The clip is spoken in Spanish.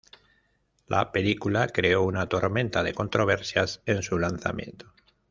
La película creó una tormenta de controversias en su lanzamiento.